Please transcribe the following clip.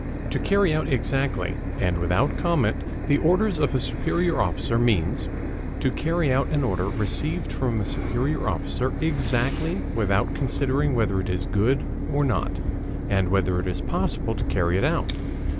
To carry out exactly and without comment the orders of a superior officer means: to carry out an order received from a superior officer exactly without considering whether it is good or not, and whether it is possible to carry it out.